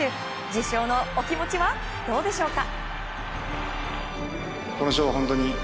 受賞のお気持ちはどうでしょうか。